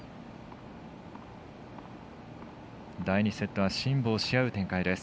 第２セットは辛抱し合う展開です。